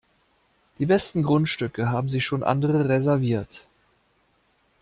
Die besten Grundstücke haben sich schon andere reserviert.